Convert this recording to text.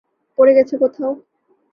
পড়ে গেছে কোথাও।